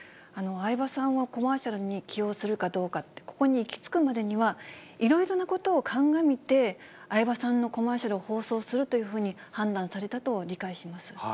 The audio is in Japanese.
相葉さんをコマーシャルに起用するかどうかって、ここに行き着くまでには、いろいろなことを鑑みて、相葉さんのコマーシャルを放送するというふうに判断されたと理解